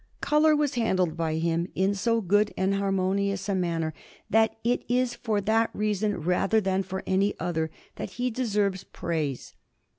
Colour was handled by him in so good and harmonious a manner, that it is for that reason, rather than for any other, that he deserves praise.